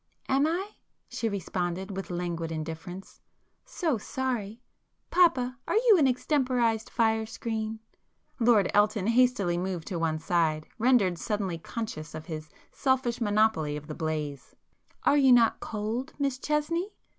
"Am I?" she responded with languid indifference—"So sorry! Papa, are you an extemporized fire screen?" Lord Elton hastily moved to one side, rendered suddenly conscious of his selfish monopoly of the blaze. [p 133]"Are you not cold, Miss Chesney?"